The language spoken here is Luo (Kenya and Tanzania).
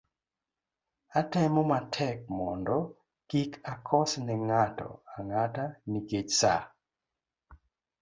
atemo matek mondo kik akos ne ng'ato ang'ata nikech saa,